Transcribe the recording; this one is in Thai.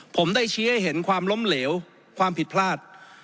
ผมได้ชี้ให้เห็นความล้มเหลวความผิดพลาด